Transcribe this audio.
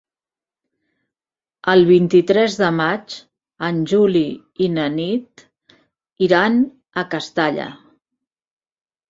El vint-i-tres de maig en Juli i na Nit iran a Castalla.